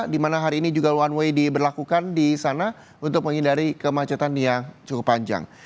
di mana hari ini juga one way diberlakukan di sana untuk menghindari kemacetan yang cukup panjang